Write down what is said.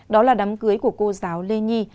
đó là đám cưới của cô giáo lê nhi